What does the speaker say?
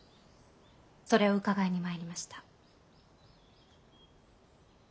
それを伺いに参りました。